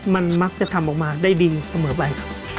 มันมักจะทำออกมาได้ดีเสมอไป